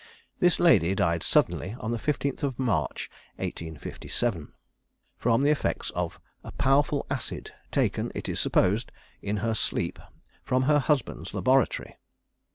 This lady died suddenly on the 15th March, 1857, from the effects of a powerful acid taken, it is supposed, in her sleep, from her husband's laboratory.